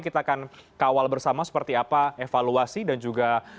kita akan kawal bersama seperti apa evaluasi dan juga